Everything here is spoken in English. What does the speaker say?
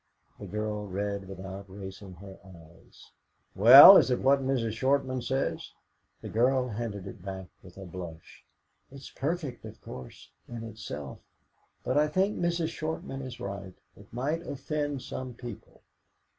The girl read without raising her eyes. "Well, is it what Mrs. Shortman says?" The girl handed it back with a blush. "It's perfect, of course, in itself, but I think Mrs. Shortman is right. It might offend some people."